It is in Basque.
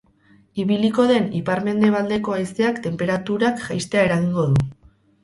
Ibiliko den ipar-mendebaldeko haizeak tenperaturak jaistea eragingo du.